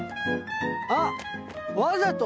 あっわざと？